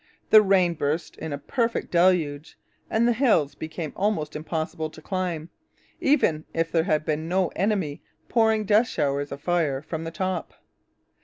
The rain burst in a perfect deluge; and the hill became almost impossible to climb, even if there had been no enemy pouring death showers of fire from the top.